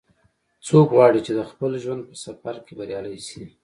څوک غواړي چې د خپل ژوند په سفر کې بریالۍ شي